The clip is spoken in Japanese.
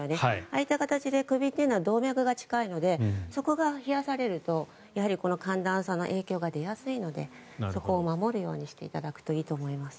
ああいった形で首というのは動脈が近いのでそこが冷やされると寒暖差の影響が出やすいのでそこを守るようにしていただくといいと思います。